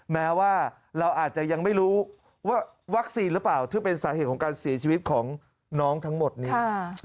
แม้ว่าเราอาจจะยังไม่รู้ว่าวัคซีนหรือเปล่าที่เป็นสาเหตุของการเสียชีวิตของน้องทั้งหมดนี้